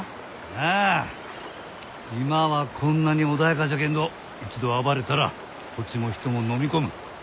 ああ今はこんなに穏やかじゃけんど一度暴れたら土地も人ものみ込む。